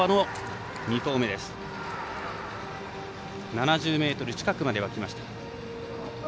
７０ｍ近くまではきました。